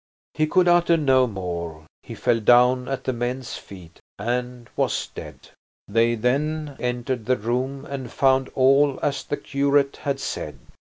He could utter no more. He fell down at the men's feet and was dead. They then entered the room and found all as the curate had said.